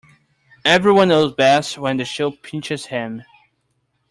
Every one knows best where the shoe pinches him.